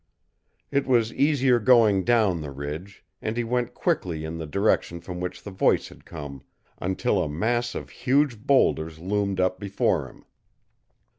It was easier going down the ridge, and he went quickly in the direction from which the voice had come, until a mass of huge boulders loomed up before him.